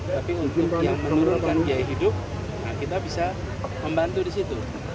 tapi untuk yang menurunkan biaya hidup kita bisa membantu di situ